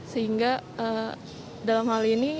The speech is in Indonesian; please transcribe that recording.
sehingga dalam hal ini